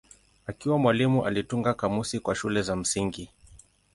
Akiwa mwalimu alitunga kamusi kwa shule za msingi.